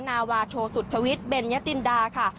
นาวาโทสุชวิทย์เบญยจินดาค่ะ